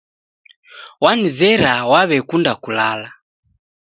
Wanizera waw'ekunda kulala.